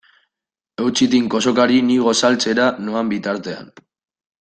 Eutsi tinko sokari ni gosaltzera noan bitartean.